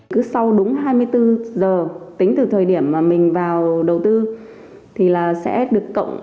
cứ sau đúng hai mươi bốn giờ tính từ thời điểm mà mình vào đầu tư thì là sẽ được cộng